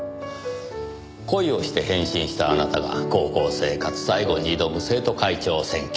恋をして変身したあなたが高校生活最後に挑む生徒会長選挙。